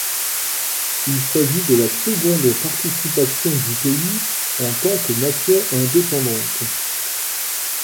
Il s'agit de la seconde participation du pays en tant que nation indépendante.